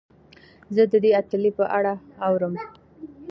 زه د دې اتلې په اړه اورم.